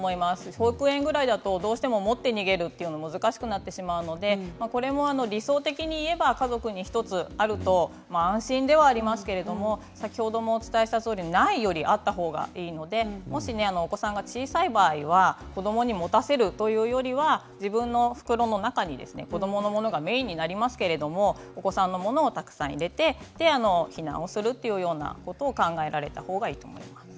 保育園ぐらいだとどうしても持って逃げるのが難しくなってしまうので理想的に言えば家族に１つあれば安心ではありますけれどないよりはあったほうがいいのでもしお子さんが小さい場合は子どもに持たせるというよりは自分の袋の中に子どものものがメインになりますがお子さんのものをたくさん入れて避難するということを考えたほうがいいと思います。